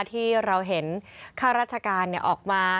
ที่เราเห็นค่าราชการออกมา